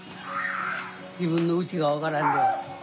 自分のうちが分からんのや。